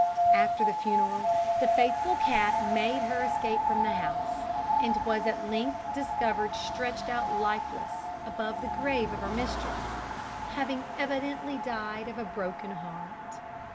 After the funeral, the faithful cat made her escape from the house, and was at length discovered stretched out lifeless above the grave of her mistress, having evidently died of a broken heart.